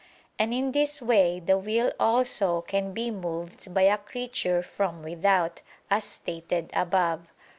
And in this way the will also can be moved by a creature from without, as stated above (A.